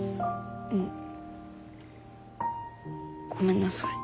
うん。ごめんなさい。